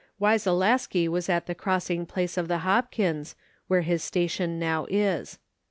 Wyselaski was at the crossing place of the Hopkins, where his station now is.